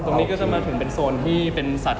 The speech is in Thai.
คุณต้องไปคุยกับทางเจ้าหน้าที่เขาหน่อย